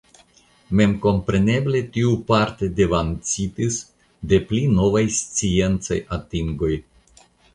Memkompreneble tio parte devancitis de pli novaj sciencaj atingoj.